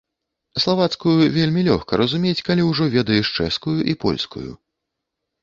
Славацкую вельмі лёгка разумець, калі ўжо ведаеш чэшскую і польскую.